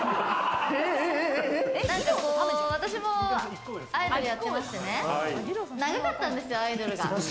私もアイドルやってましてね、長かったんですよ、アイドルが。